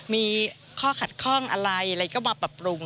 มีข้อขัดข้องอะไรมาแบบประปรุง